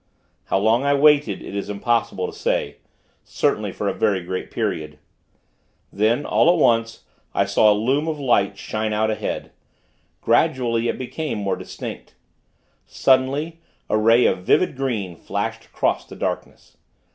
How long I waited, it is impossible to say certainly for a very great period. Then, all at once, I saw a loom of light shine out ahead. Gradually, it became more distinct. Suddenly, a ray of vivid green, flashed across the darkness.